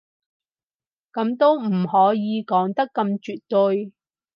噉都唔可以講得咁絕對